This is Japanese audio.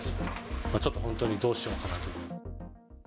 ちょっと本当にどうしようかなと。